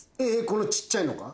このちっちゃいのが？